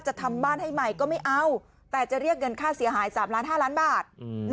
จะทำบ้านให้ใหม่ก็ไม่เอาแต่จะเรียกเงินค่าเสียหาย๓ล้าน๕ล้านบาท